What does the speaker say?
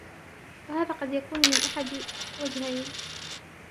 وَهَذَا قَدْ يَكُونُ مِنْ أَحَدِ وَجْهَيْنِ